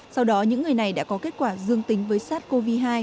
sau đó những người này đã có kết quả dương tính với sars cov hai